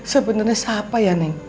sebenernya siapa ya neng